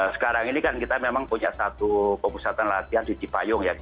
sekarang ini kan kita memang punya satu pemusatan latihan di cipayung ya